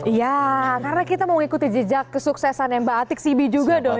iya karena kita mau ikuti jejak kesuksesan mbak atik sibi juga dong ya